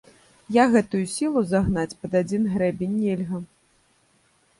Я гэтую сілу загнаць пад адзін грэбень нельга.